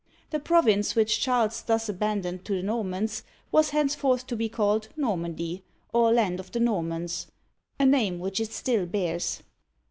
The province which Charles thus abandoned to the Nor mans was henceforth to be called Nor'mandy, or Land of the Normans, a name which it still bears.